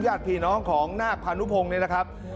เนี่ยอยากผีน้องของนาคภาณัุพงษ์เนี่ยนะครับ